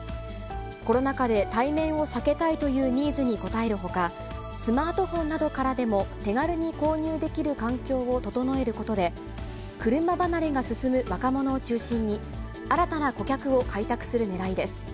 コロナ禍で対面を避けたいというニーズに応えるほか、スマートフォンなどからでも手軽に購入できる環境を整えることで、車離れが進む若者を中心に、新たな顧客を開拓するねらいです。